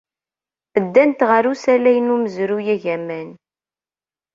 Ddant ɣer usalay n umezruy agaman.